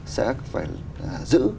sẽ phải giữ